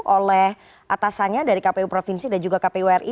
oleh atasannya dari kpu provinsi dan juga kpu ri